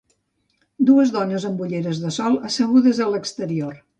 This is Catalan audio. Dues dones amb ulleres de sol assegudes a l'exterior.